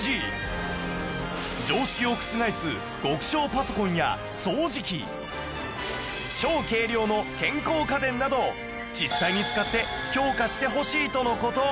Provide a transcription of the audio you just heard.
常識を覆す極小パソコンや掃除機超軽量の健康家電など実際に使って評価してほしいとの事